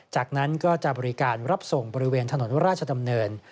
จากนั้นก็จะบริการรับส่งบริเวณถนนราชดำเนิน